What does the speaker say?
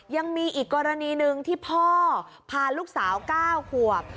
ยังมีอีกกรณีหนึ่งที่พ่อพาลูกสาว๙ขวบ